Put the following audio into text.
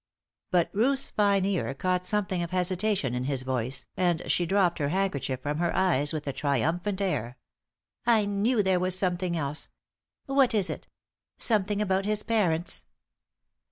But Ruth's fine ear caught something of hesitation in his voice, and she dropped her handkerchief from her eyes with a triumphant air. "I knew there was something else. What is it something about his parents?"